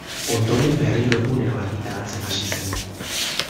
Ondoren, berriro egunero argitaratzen hasi zen.